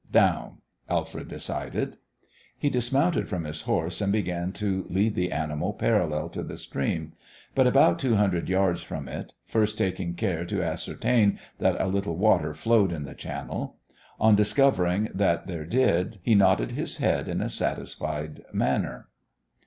"Down," Alfred decided. He dismounted from his horse and began to lead the animal parallel to the stream, but about two hundred yards from it, first taking care to ascertain that a little water flowed in the channel. On discovering that there did, he nodded his head in a satisfied manner.